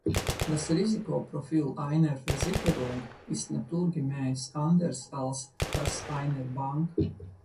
Das Risikoprofil einer Versicherung ist naturgemäß anders als das einer Bank.